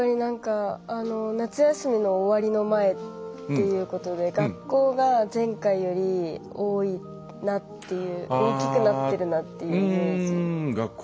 夏休みの終わりの前っていうことで学校が前回より多いなっていう大きくなってるなっていうイメージ。